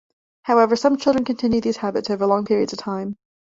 However, some children continue these habits over long periods of time.